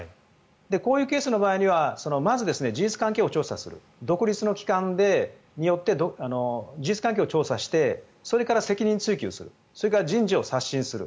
こういうケースの場合はまず事実関係を調査する独立の機関によって事実関係を調査してそれから責任追及するそれから人事を刷新する